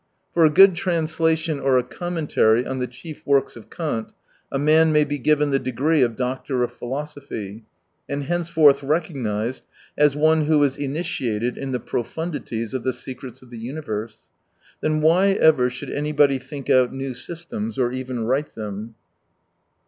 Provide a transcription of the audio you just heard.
For a good translation or a commentary on the chief works of Kant a man may be given the degree of doctor of philosophy, and henceforth recognised as one who is initiated in the profundities of the secrets of the universe. Then why ever should anybody think out new systems — or even write them